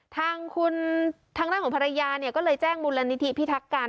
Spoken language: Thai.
ทางของภรรยาก็เลยแจ้งบุฬณีพิทักร